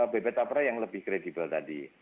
bp tapra yang lebih kredibel tadi